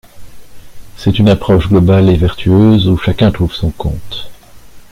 C’est une approche globale et vertueuse où chacun trouve son compte.